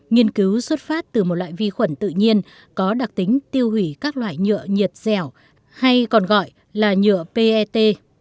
nghiên cứu xuất phát từ một loại vi khuẩn tự nhiên có đặc tính tiêu hủy các loại nhựa nhiệt dẻo hay còn gọi là nhựa pet